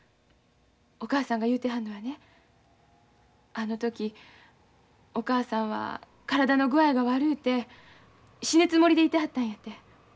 お母さんが言うてはるのはねあの時お母さんは体の具合が悪うて死ぬつもりでいてはったんやて。